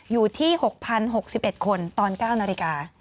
อยู่ที่๖๐๖๑คนตอน๙นาฬิกา